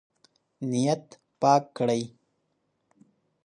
نیت پاک کړئ.